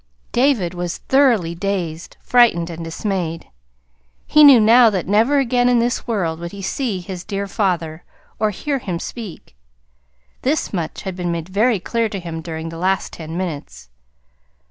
David was thoroughly dazed, frightened, and dismayed. He knew now that never again in this world would he see his dear father, or hear him speak. This much had been made very clear to him during the last ten minutes.